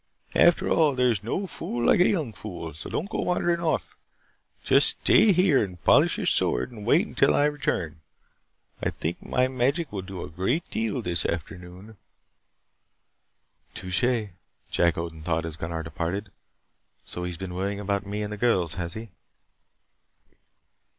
After all, there's no fool like a young fool. So don't go wandering off. Just stay here and polish your sword and wait until I return. I think my magic will do a great deal this afternoon." "Touché!" Jack Odin thought as Gunnar departed. "So he's been worrying about me and the girls, has he?"